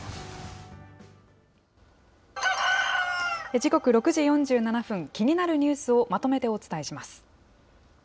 時刻６時４７分、気になるニュースをまとめてお伝えします。